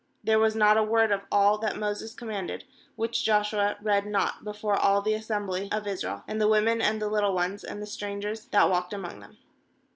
35There was not a word of all that Moses commanded, which Joshua read not before all the assembly of Israel, and the women, and the little ones, and the strangers that walked among them.